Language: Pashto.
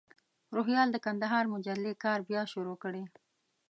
روهیال د کندهار مجلې کار بیا شروع کړی.